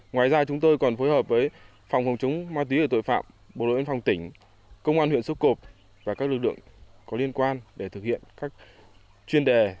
ngoài ra chúng tôi còn phối hợp với phòng phòng chống ma túy và tội phạm bộ đội biên phòng tỉnh công an huyện xúc cộp và các lực lượng có liên quan để thực hiện các chuyên đề